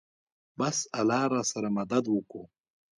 بس الله راسره مدد وکو.